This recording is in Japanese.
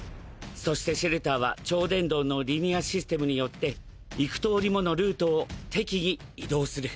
そしてシェルターは超電導のリニアシステムによって幾通りものルートを適宜移動する。